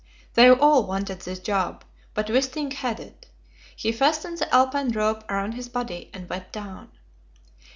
They all wanted this job, but Wisting had it; he fastened the Alpine rope round his body and went down.